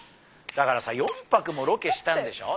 だからさ４泊もロケしたんでしょ。